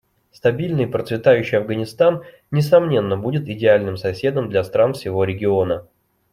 Стабильный и процветающий Афганистан, несомненно, будет идеальным соседом для стран всего региона.